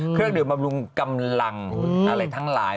เครื่องดื่มบำรุงกำลังอะไรทั้งหลาย